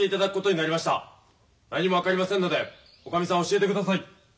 何も分かりませんのでおかみさん教えてください。